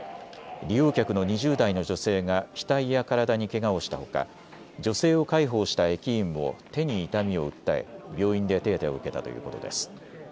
利用客の２０代の女性が額や体にけがをしたほか女性を介抱した駅員も手に痛みを訴え、病院で手当てを受けたということです。